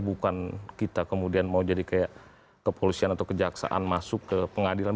bukan kita kemudian mau jadi kayak kepolisian atau kejaksaan masuk ke pengadilan